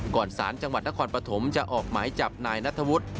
สารจังหวัดนครปฐมจะออกหมายจับนายนัทธวุฒิ